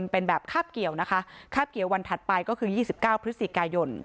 เป็นแบบคาบเกี่ยวนะคะคาบเกี่ยววันถัดไปก็คือ๒๙พฤศจิกายน